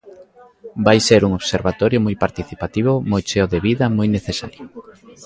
Vai ser un observatorio moi participativo, moi cheo de vida, moi necesario.